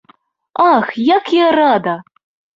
Ах, як я рада!